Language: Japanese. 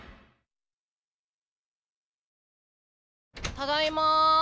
ただいま。